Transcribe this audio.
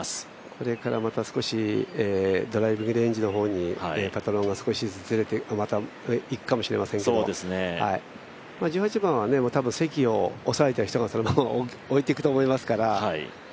これから少しずつドライビングレンジの方にパトロンがまたいくかもしれませんけれども、１８番はたぶん咳を押さえた人がそのまま置いていくと思いますから。